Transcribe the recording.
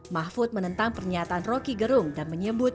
mahfud menentang pernyataan roky gerung dan menyebut